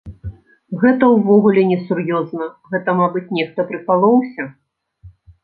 Гэта ўвогуле несур'ёзна, гэта, мабыць, нехта прыкалоўся.